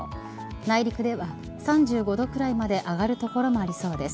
内陸では３５度くらいまで上がる所もありそうです。